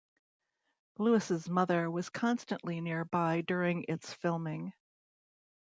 Lewis' mother was constantly nearby during its filming.